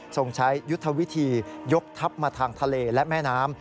ใช้ยุทธวิธียกทัพมาทางทะเลและแม่น้ำ